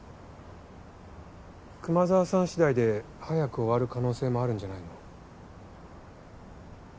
熊沢さん次第で早く終わる可能性もあるんじゃないの？